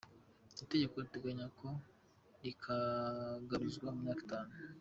Itegeko riteganya ko kigaruzwa mu myaka itanu.